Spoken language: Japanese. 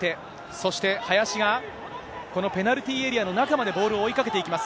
そして、林がこのペナルティーエリアの中までボールを追いかけていきます。